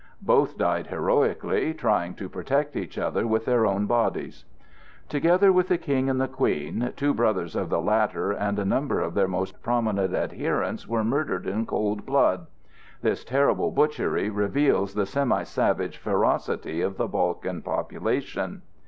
Both died heroically, trying to protect each other with their own bodies. Together with the King and the Queen, two brothers of the latter, and a number of their most prominent adherents were murdered in cold blood. This terrible butchery reveals the semi savage ferocity of the Balkan population.